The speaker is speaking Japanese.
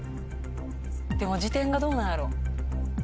でも辞典がどうなんやろう？